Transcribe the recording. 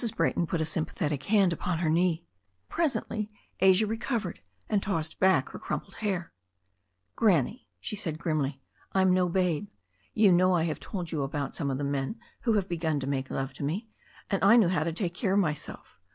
Brayton put a sympathetic hand upon her knee. Presently Asia recovered, and tossed back her crumpled hair. "Granny," she said grimly, "I am no babe. You know 1 liave told you about some of the men vf\vo Vva.N^ \i^^^ \a 234 THE STORY OF A NEW ZEALAND RIVER make love to me, and I knew how to take care of myself.